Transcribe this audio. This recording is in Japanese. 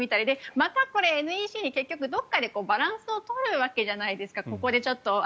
またこれ、今後ＮＥＣとどこかでバランスを取るわけじゃないですか。